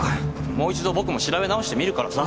もう一度僕も調べ直してみるからさ。